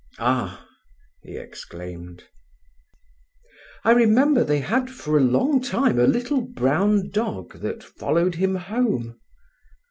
"Ah!" he exclaimed. "I remember they had for a long time a little brown dog that followed him home."